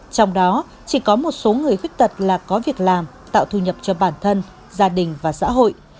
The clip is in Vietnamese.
trong đó chỉ có một số người khuyết tật là có việc làm tạo thu nhập cho bản thân gia đình và xã hội